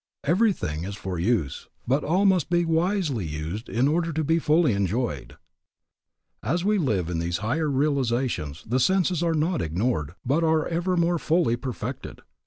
Everything is for use, but all must be wisely used in order to be fully enjoyed. As we live in these higher realizations the senses are not ignored but are ever more fully perfected.